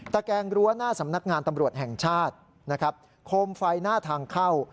แกงรั้วหน้าสำนักงานตำรวจแห่งชาตินะครับโคมไฟหน้าทางเข้า